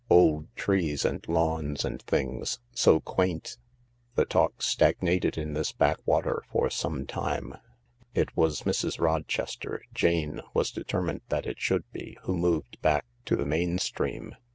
" Old trees and lawns and things. So quaint." The talk stagnated in this backwater for some time. It was Mrs. Rochester— Jane was determined that it should be— who moved back to the main stream.